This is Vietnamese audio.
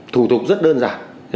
thủ tục rất đơn giản